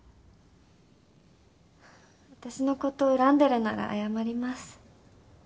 私のこと恨んでるなら謝ります。